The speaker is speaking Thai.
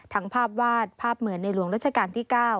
ภาพวาดภาพเหมือนในหลวงรัชกาลที่๙